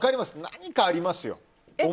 何かありますよ。